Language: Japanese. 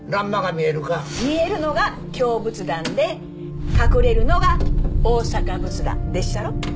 見えるのが京仏壇で隠れるのが大阪仏壇でっしゃろ？